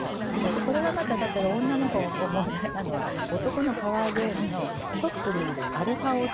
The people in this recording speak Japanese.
これがまただけど女の方も問題なのは男のパワーゲームのトップにいるアルファオス。